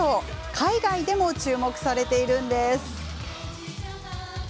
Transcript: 海外でも注目されているんです。